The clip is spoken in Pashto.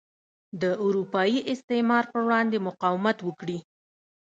د اروپايي استعمار پر وړاندې مقاومت وکړي.